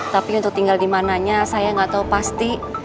tapi untuk tinggal dimananya saya gak tau pasti